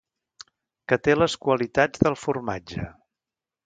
Que té les qualitats del formatge.